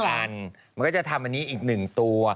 มันก็จะทำอันนี้อีก๑ตัว